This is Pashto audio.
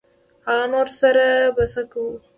هغه نورو سره به څه کوو.